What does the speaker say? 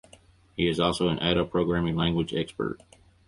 He is also an Ada programming language expert.